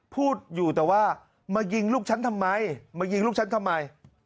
พูดอยู่แต่ว่ามายิงลูกฉันทำไมมายิงลูกฉันทำไม